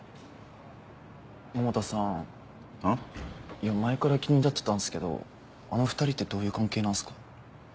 いや前から気になってたんすけどあの２人ってどういう関係なんすか？